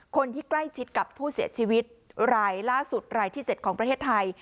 คนที่ใกล้ชิดกับผู้เสียชีวิตรายล่าสุดรายที่๗ของประเทศไทย